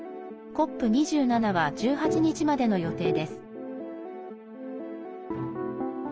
ＣＯＰ２７は１８日までの予定です。